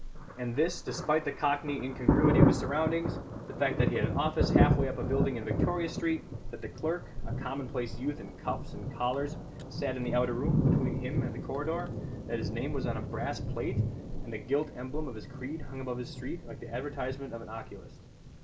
And this despite the cockney incongruity of his surroundings; the fact that he had an office half way up a building in Victoria Street; that the clerk (a commonplace youth in cuffs and collars) sat in the outer room, between him and the corridor; that his name was on a brass plate, and the gilt emblem of his creed hung above his street, like the advertisement of an oculist.